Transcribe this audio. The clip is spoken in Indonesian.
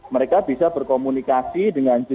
mereka bisa berkomunikasi dengan jejaring